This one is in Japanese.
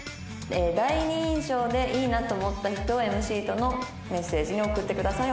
「第二印象でいいなと思った人をＭＣとのメッセージに送ってください。